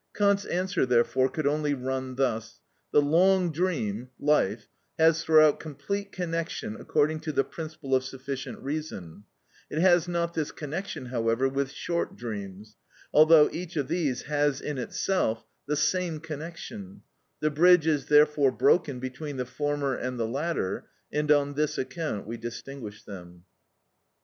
Kant's answer therefore could only run thus:—the long dream (life) has throughout complete connection according to the principle of sufficient reason; it has not this connection, however, with short dreams, although each of these has in itself the same connection: the bridge is therefore broken between the former and the latter, and on this account we distinguish them.